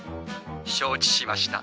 承知しました。